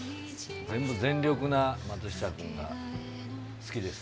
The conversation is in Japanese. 全部全力な松下君が好きです。